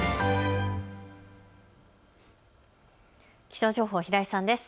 気象情報、平井さんです。